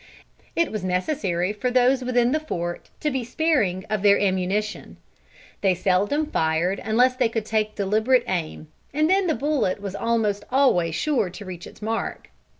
It was necessary for those within the fort to be sparing of their ammunition. They seldom fired unless they could take deliberate aim, and then the bullet was almost always sure to reach its mark.